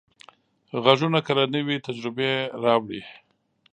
غږونه کله نوې تجربې راوړي.